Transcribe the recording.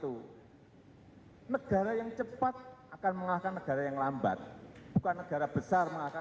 terima kasih negara yang cepat akan mengalahkan negara yang lambat bukan negara besar mengalahkan